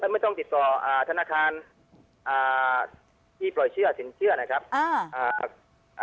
ไม่ต้องติดต่ออ่าธนาคารอ่าที่ปล่อยเชื่อสินเชื่อนะครับอ่าอ่า